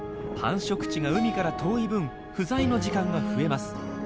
繁殖地が海から遠い分不在の時間が増えます。